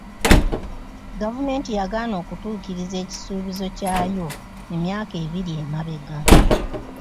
Gavumenti yagaana okutuukiriza ekisuubizo ky'ayo emyaka ebiri emabega.